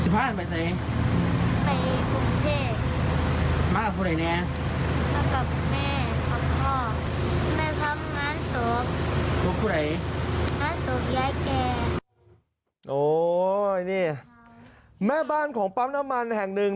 โอ้โหแม่บ้านของปั๊มน้ำมันแห่งหนึ่ง